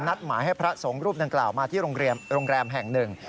หมายให้พระสงฆ์รูปดังกล่าวมาที่โรงแรมแห่งหนึ่ง